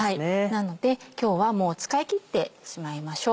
なので今日はもう使い切ってしまいましょう。